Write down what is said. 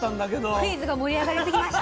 クイズが盛り上がりすぎました。